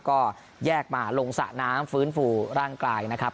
ก็แยกมาลงสระน้ำฟื้นฟูร่างกายนะครับ